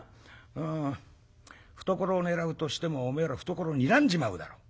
懐を狙うとしてもおめえら懐にらんじまうだろ。